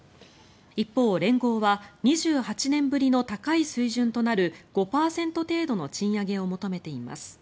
一方、連合は２８年ぶりの高い水準となる５％程度の賃上げを求めています。